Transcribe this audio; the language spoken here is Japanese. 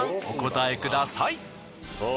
お答えください。